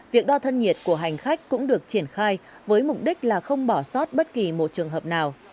việc đo thân nhiệt của hành khách cũng được triển khai với mục đích là không bỏ sót bất kỳ một trường hợp nào